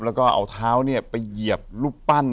แล้วก็เอาเท้าเนี่ยไปเหยียบลูกปั้น